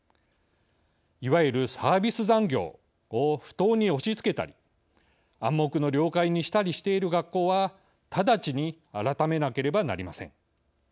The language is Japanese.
いわゆるサービス残業を不当に押しつけたり暗黙の了解にしたりしている学校は直ちに改めなければなりません。